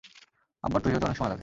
আব্বার তৈরি হতে অনেক সময় লাগে।